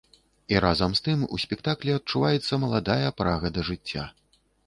І разам з тым у спектаклі адчуваецца маладая прага да жыцця.